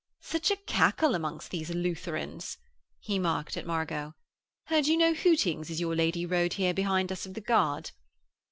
'Such a cackle among these Lutherans,' he mocked at Margot. 'Heard you no hootings as your lady rode here behind us of the guard?'